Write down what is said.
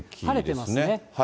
晴れてますね。